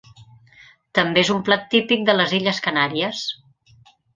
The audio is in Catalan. També és un plat típic de les Illes Canàries.